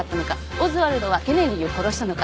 オズワルドはケネディを殺したのか。